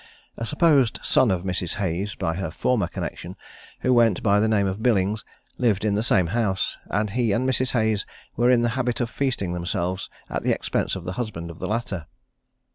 A supposed son of Mrs. Hayes, by her former connexion, who went by the name of Billings, lived in the same house, and he and Mrs. Hayes were in the habit of feasting themselves at the expense of the husband of the latter.